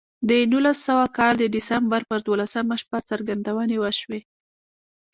د نولس سوه کال د ډسمبر پر دولسمه شپه څرګندونې وشوې